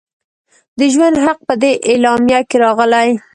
د ژوند حق په دې اعلامیه کې راغلی.